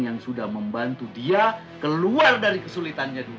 yang sudah membantu dia keluar dari kesulitannya dulu